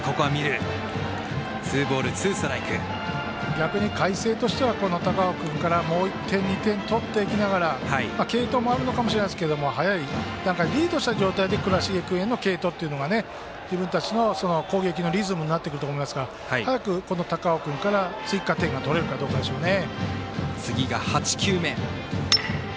逆に海星としては、高尾君からもう１点、２点取っていきながら継投もあるのかもしれないですがリードした段階で倉重君への継投が自分たちの攻撃のリズムになってくると思いますが早く高尾君から追加点が取れるかどうかでしょうね。